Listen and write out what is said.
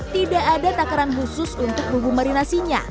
tidak ada takaran khusus untuk bumbu marinasinya